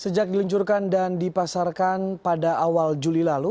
sejak diluncurkan dan dipasarkan pada awal juli lalu